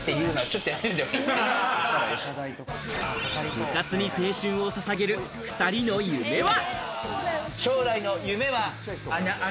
部活に青春を捧げる２人の夢は。